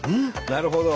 なるほど。